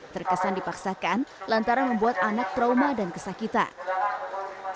terkesan dipaksakan lantaran membuat anak trauma dan kesakitan